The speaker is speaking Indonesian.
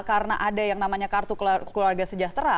karena ada yang namanya kartu keluarga sejahtera